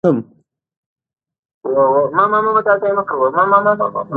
ایوب خان به یو غازی پاتې سي.